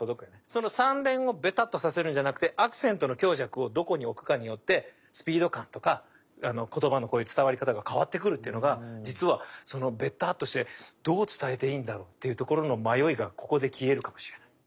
その３連をベタッとさせるんじゃなくてアクセントの強弱をどこに置くかによってスピード感とか言葉の伝わり方が変わってくるっていうのが実はそのベタッとしてどう伝えていいんだろう？っていうところの迷いがここで消えるかもしれない。